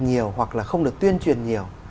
nhiều hoặc là không được tuyên truyền nhiều